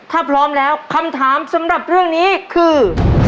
ถ้าพร้อมแล้วคำถามสำหรับเรื่องนี้คือ